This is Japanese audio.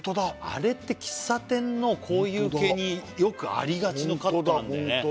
あれって喫茶店のこういう系によくありがちのカットなんだよね